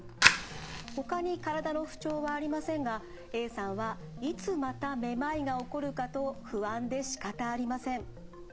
ほかに体の不調はありませんがＡさんはいつまためまいが起こるかと不安でしかたありません。